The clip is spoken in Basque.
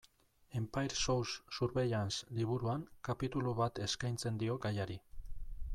Empire sous Surveillance liburuan kapitulu bat eskaintzen dio gaiari.